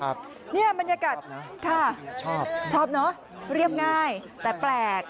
ครับชอบนะชอบนะครับชอบเนอะเรียบง่ายแต่แปลก